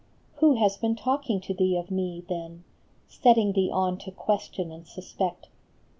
" Who has been talking to thee of me, then ; Setting thee on to question and suspect